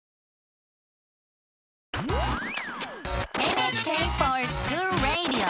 「ＮＨＫｆｏｒＳｃｈｏｏｌＲａｄｉｏ」！